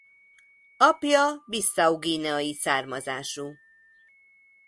Apja bissau-guineai származású.